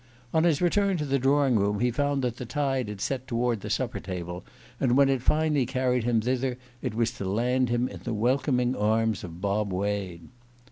On his return to the drawing room he found that the tide had set toward the supper table, and when it finally carried him thither it was to land him in the welcoming arms of Bob Wade.